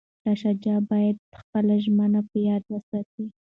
شاه شجاع باید خپله ژمنه په یاد وساتي.